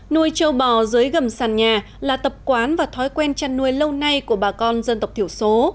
nuôi trâu bò dưới gầm sàn nhà là tập quán và thói quen chăn nuôi lâu nay của bà con dân tộc thiểu số